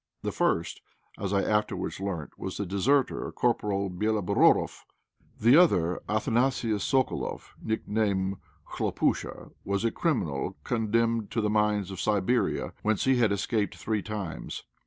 The first, as I afterwards learnt, was the deserter, Corporal Béloborodoff. The other, Athanasius Sokoloff, nicknamed Khlopúsha, was a criminal condemned to the mines of Siberia, whence he had escaped three times.